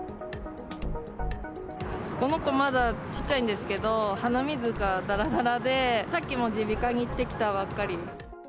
この子、まだ小っちゃいんですけど、鼻水がだらだらで、さっきも耳鼻科に行ってきたばっかり。